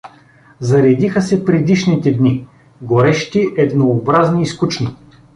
Заредиха се предишните дни, горещи, еднообразни и скучни.